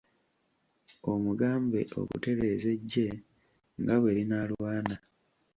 Omugambe okutereeza eggye nga bwe linaalwana.